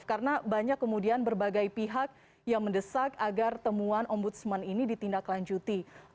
karena banyak kemudian berbagai pihak yang mendesak agar temuan ombudsman ini ditindaklanjuti